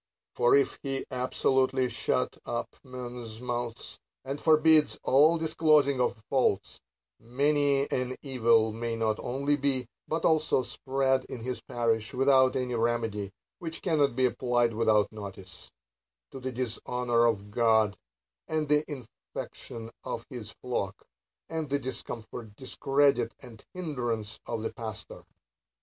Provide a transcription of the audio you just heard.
For if he ahsolutely shut up men's mouths, and forbid all disclosing of faults, many an evil may not only be, but also spread in his parish, without any remedy (which cannot be applied without notice), to the dishonor of God, and the infection of his flock, and the discomfort, discredit, and hindrance of the pastor.